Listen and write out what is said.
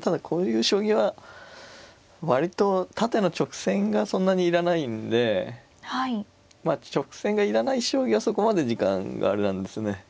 ただこういう将棋は割と縦の直線がそんなに要らないんでまあ直線が要らない将棋はそこまで時間があれなんですね。